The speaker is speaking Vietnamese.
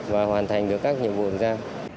và hoàn thành được các nhiệm vụ thật ra